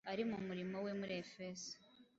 Ari mu murimo we muri Efeso,